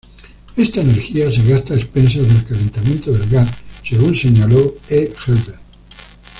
Esta energía se gasta a expensas del calentamiento del gas, según señaló E. Helder.